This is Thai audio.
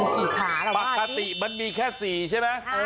ปกติมันมีแค่สี่ใช่ไหม